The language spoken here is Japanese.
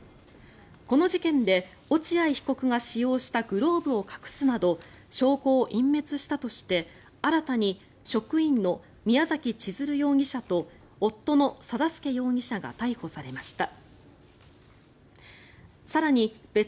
この事件で落合被告が使用したグローブを隠すなど証拠を隠滅したとして新たに職員の宮崎千鶴容疑者と夫の定助容疑者が逮捕されました。